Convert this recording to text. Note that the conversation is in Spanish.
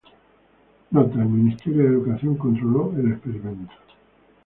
Nota: El Ministerio de educación controló el experimento.